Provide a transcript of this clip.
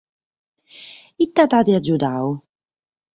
Ite t’at agiudadu?